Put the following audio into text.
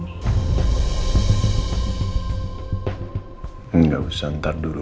tidak usah menantang dulu